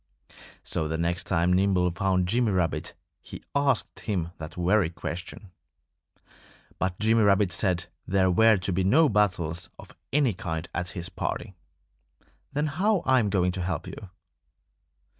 So the next time Nimble found Jimmy Rabbit he asked him that very question. But Jimmy Rabbit said there were to be no battles of any kind at his party. "Then how am I going to help you?"